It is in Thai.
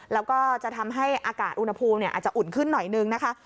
แล้วก็จะทำให้อากาศอุณหภูมิอาจจะอุ่นขึ้นหน่อยนึงนะคะ